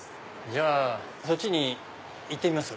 じゃあそっちに行ってみます。